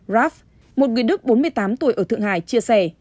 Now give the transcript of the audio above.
raf một người đức bốn mươi tám tuổi ở thượng hải chia sẻ